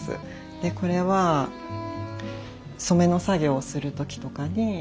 でこれは染めの作業をする時とかに巻いてます。